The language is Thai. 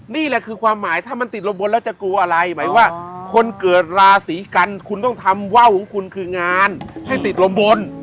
นี่แหละคือความหมายถ้ามันติดลมบนแล้วจะกลัวอะไรหมายว่าคนเกิดราศีกันคุณต้องทำว่าวของคุณคืองานให้ติดลมบน